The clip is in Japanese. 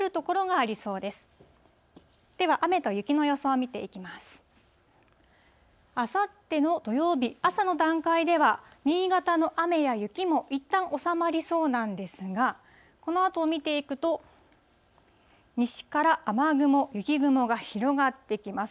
あさっての土曜日、朝の段階では新潟の雨や雪もいったん収まりそうなんですが、このあとを見ていくと、西から雨雲、雪雲が広がってきます。